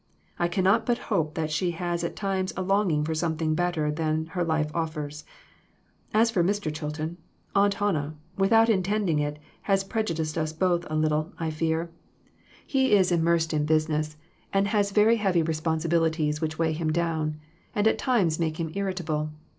I cannot but hope that she has at times a longing for something better than her life offers. As for Mr. Chilton, Aunt Hannah, without intend ing it, has prejudiced us both a little, I fear. He 318 EMBARRASSING QUESTIONS. is immersed in business, and has very heavy responsibilities which weigh him down, and at times make him irritable.